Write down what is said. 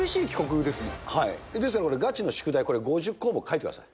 ですから、これがちの宿題、これ、５０項目、書いてください。